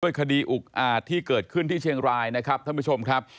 คดีอุกอาจที่เกิดขึ้นที่เชียงรายนะครับท่านผู้ชมครับ